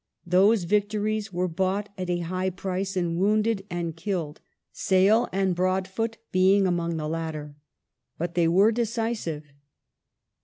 These victories were bought at a high price in wounded and killed, Sale and Broadfoot being among the latter. But they were decisive.